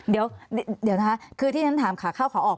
เดี๋ยวนะคะคือที่ฉันถามขาเข้าขาออก